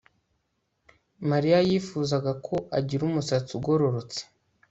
Mariya yifuza ko agira umusatsi ugororotse